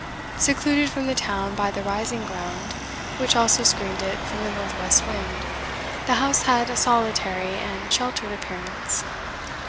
Secluded from the town by the rising ground, which also screened it from the north west wind, the house had a solitary, and sheltered appearance.